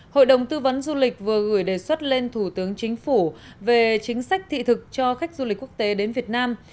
hội đồng tư vấn du lịch vừa gửi đề xuất lên thủ tướng chính phủ về chính sách thị thực cho khách du lịch quốc tế đến việt nam